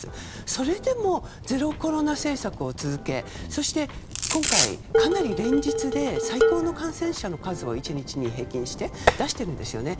それでもゼロコロナ政策を続けそして今回、かなり連日で最高の感染者の数を１日に平均して出しているんですよね。